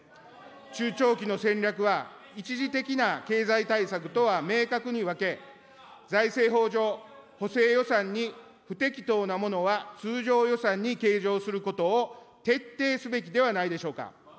中長期の戦略は、一時的な経済対策とは明確に分け、財政法上、補正予算に不適当なものは通常予算に計上することを徹底すべきではないでしょうか。